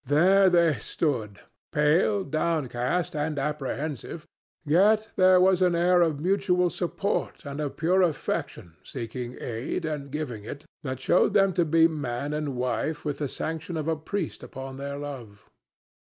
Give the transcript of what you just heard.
There they stood, pale, downcast and apprehensive, yet there was an air of mutual support and of pure affection seeking aid and giving it that showed them to be man and wife with the sanction of a priest upon their love.